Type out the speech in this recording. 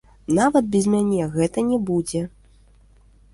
Нават без мяне гэта не будзе.